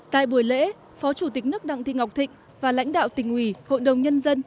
tại buổi lễ phó chủ tịch nước đặng thị ngọc thịnh và lãnh đạo tỉnh ủy hội đồng nhân dân